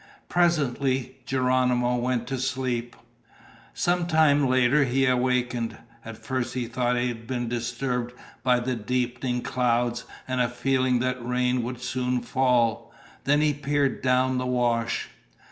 Presently Geronimo went to sleep. Some time later he awakened. At first he thought he had been disturbed by the deepening clouds and a feeling that rain would soon fall. Then he peered down the wash.